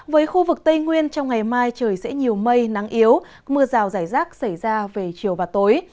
với khu vực tây nguyên trong ngày mai trời sẽ nhiều mây nắng yếu mưa rào rải rác xảy ra về chiều và tối